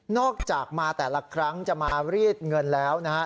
จากมาแต่ละครั้งจะมารีดเงินแล้วนะฮะ